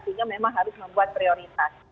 sehingga memang harus membuat prioritas